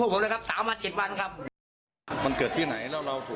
เขาพูดพระเจ้าเลยครับ